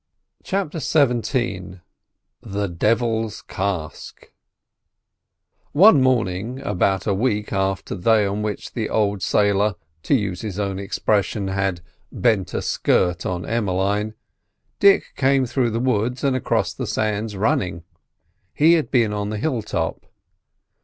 CHAPTER XVII THE DEVIL'S CASK One morning, about a week after the day on which the old sailor, to use his own expression, had bent a skirt on Emmeline, Dick came through the woods and across the sands running. He had been on the hill top.